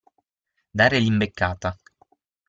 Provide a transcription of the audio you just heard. Dare l'imbeccata.